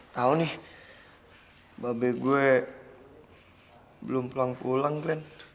tau nih babek gue belum pulang pulang glenn